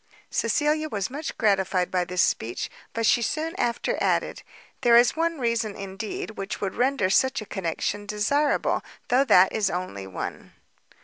Cecilia was much gratified by this speech; but she soon after added, "There is one reason, indeed, which would render such a connection desirable, though that is only one."